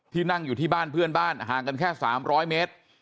นั่งอยู่ที่บ้านเพื่อนบ้านห่างกันแค่๓๐๐เมตร